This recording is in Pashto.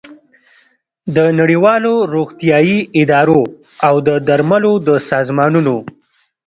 د نړیوالو روغتیايي ادارو او د درملو د سازمانونو